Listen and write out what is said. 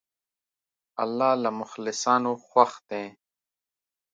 الله له مخلصانو خوښ دی.